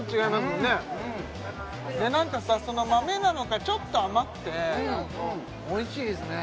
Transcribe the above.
うんうんで何かさその豆なのかちょっと甘くておいしいですね